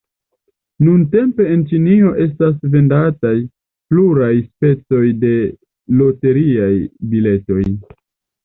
Nuntempe en Ĉinio estas vendataj pluraj specoj de loteriaj biletoj.